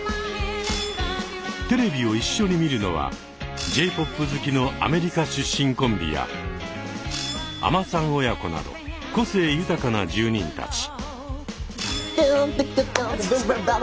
テレビを一緒に見るのはＪ−ＰＯＰ好きのアメリカ出身コンビや海女さん親子など個性豊かな住人たち。